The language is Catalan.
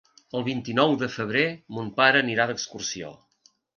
El vint-i-nou de febrer mon pare anirà d'excursió.